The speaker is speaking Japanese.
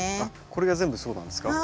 これが全部そうなんですか？